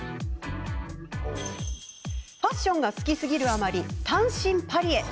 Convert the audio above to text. ファッションが好きすぎるあまり単身パリへ！